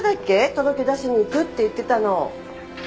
届け出しに行くって言ってたの。